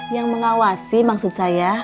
yang mengawasi maksud saya